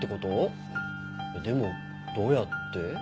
でもどうやって？